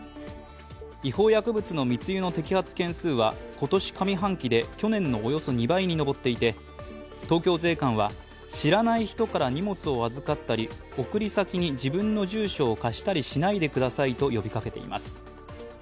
違法薬物の密輸の摘発件数は今年上半期で去年のおよそ２倍に上っていて、東京税関は知らない人から荷物を預かったり送り先に自分の住所を貸したりしないでくださいと呼びかけています。